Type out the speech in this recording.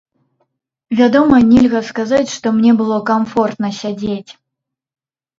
Вядома, нельга сказаць, што мне было камфортна сядзець.